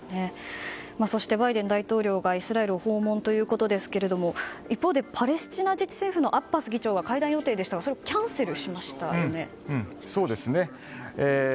そして、バイデン大統領がイスラエル訪問ということですが一方でパレスチナ自治政府のアッバス議長が会談予定でしたがキャンセルしました。